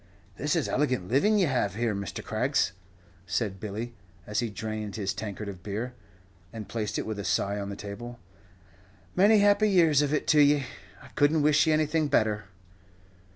"This is elegant living ye have here, Mr. Craggs," said Billy, as he drained his tankard of beer, and placed it with a sigh on the table; "many happy years of it to ye I could n't wish ye anything better."